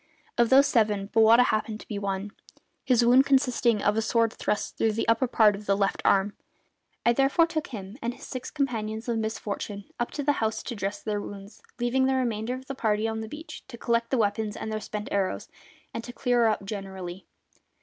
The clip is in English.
Of those seven Bowata happened to be one, his wound consisting of a sword thrust through the upper part of the left arm. I therefore took him and his six companions in misfortune up to the house to dress their wounds, leaving the remainder of the party on the beach to collect the weapons and their spent arrows, and to clear up generally.